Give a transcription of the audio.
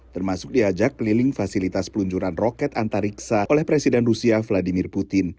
termasuk diajak keliling fasilitas peluncuran roket antariksa oleh presiden rusia vladimir putin